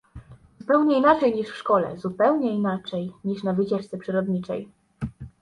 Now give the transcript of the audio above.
Zupełnie inaczej niż w szkole, zupełnie inaczej niż na wycieczce przyrodniczej.